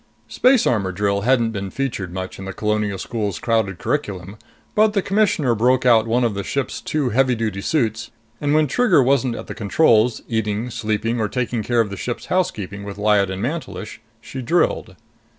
Space armor drill hadn't been featured much in the Colonial School's crowded curriculum. But the Commissioner broke out one of the ship's two heavy duty suits; and when Trigger wasn't at the controls, eating, sleeping, or taking care of the ship's housekeeping with Lyad and Mantelish, she drilled.